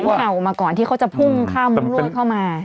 พี่เสียงข่าวมาก่อนที่เขาจะพุ่งข้ามุมรวดเข้ามา